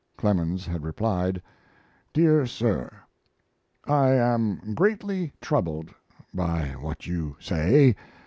Clemens had replied: DEAR SIR, I am greatly troubled by what you say.